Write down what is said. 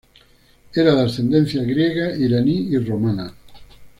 Era de ascendencia griega, iraní y Romana.